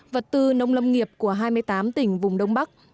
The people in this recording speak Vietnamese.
vật tư nông lâm nghiệp của hai mươi tám tỉnh vùng đông bắc